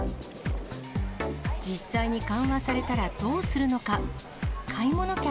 実際に緩和されたら、どうするのか。